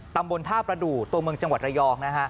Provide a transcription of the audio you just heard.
ตำบลท่าประดูกตัวเมืองจังหวัดระยองนะฮะ